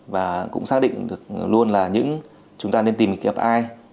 và cũng xác định được luôn là chúng ta nên tìm kiếm kiếm ai